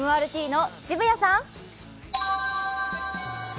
ＭＲＴの澁谷さん。